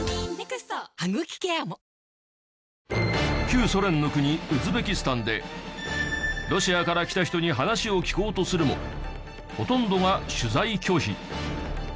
旧ソ連の国ウズベキスタンでロシアから来た人に話を聞こうとするもほとんどが取材拒否。